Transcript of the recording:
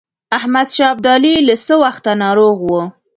احمدشاه ابدالي له څه وخته ناروغ وو.